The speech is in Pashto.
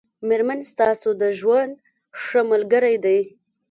مېرمن ستاسو د ژوند ښه ملګری دی